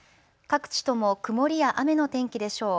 各地とも曇りや雨の天気でしょう。